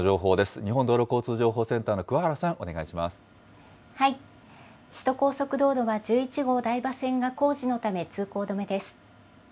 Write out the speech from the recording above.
日本道路交通情報センターのくわ首都高速道路は１１号台場線が工事のため、通行止めです。